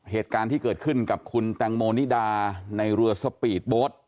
เหตุการณ์ที่เกิดขึ้นกับคุณแตงโมนิดาในเรือสปีดโบ๊ท